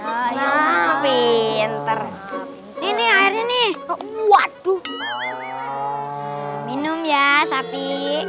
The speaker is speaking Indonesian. ayo pinter ini air ini waduh minum ya sapi